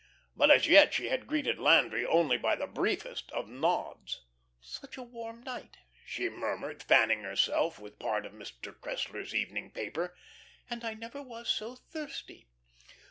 But as yet she had greeted Landry only by the briefest of nods. "Such a warm night!" she murmured, fanning herself with part of Mr. Cressler's evening paper. "And I never was so thirsty."